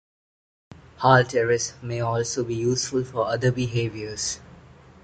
Halteres may also be useful for other behaviors.